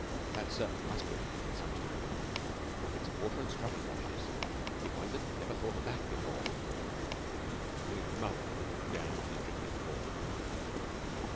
That certainly must be repeated some time. Buckets of water and scrubbing brushes. He wondered he'd never thought of that before. William's mother looked down at his dripping form.